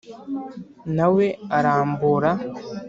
na we arambura